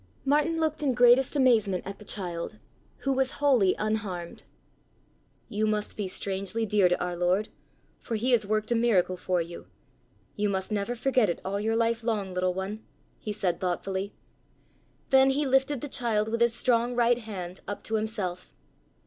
Martin looked in greatest amazement at the child, who was wholly unharmed. "You must be strangely dear to our Lord, for he has worked a miracle for you. You must never forget it all your life long, little one," he said thoughtfully. Then he lifted the child with his strong right hand up to himself.